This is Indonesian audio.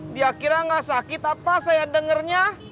dia kira gak sakit apa saya dengernya